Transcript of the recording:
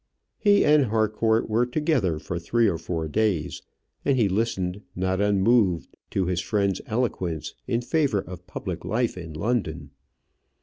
He and Harcourt were together for three or four days, and he listened not unmoved to his friend's eloquence in favour of public life in London.